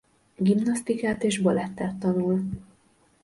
Gimnasztikát és balettet tanul.